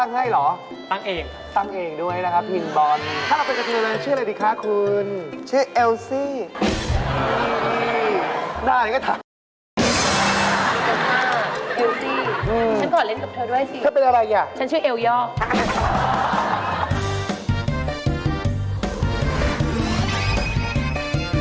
นี่อะไรคะพี่บอลฟ์